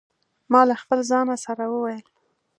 ما له خپل ځانه سره وویل.